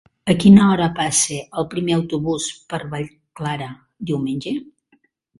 A quina hora passa el primer autobús per Vallclara diumenge?